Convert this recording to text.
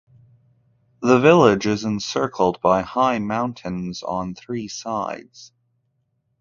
The village is encircled by high mountains on three sides.